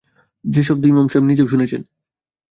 যে-শব্দ ইমাম সাহব নিজেও শুনেছেন?